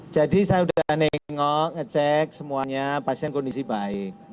jadi saya sudah nengok ngecek semuanya pasien kondisi baik